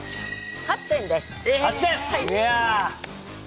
８点です。